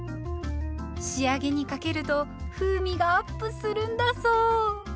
仕上げにかけると風味がアップするんだそう。